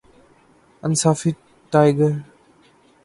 انصافی ٹائگر